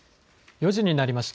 ４時になりました。